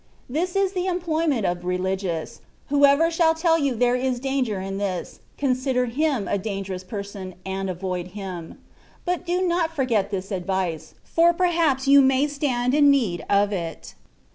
This is the employ ment of " Religious :^' whoever shall tell you there is danger in this, consider him a dangerous per son, and avoid him ; but do not forget this advice, for perhaps you may stand in need of it.